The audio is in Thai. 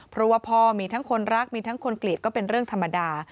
เพราะว่าพ่อมีทั้งคนรักมีทั้งคนเกลียดก็เป็นเรื่องธรรมดา